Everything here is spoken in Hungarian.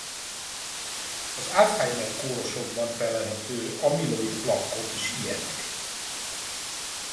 Az Alzheimer-korosokban fellelhető amyloid-plakkok is ilyenek.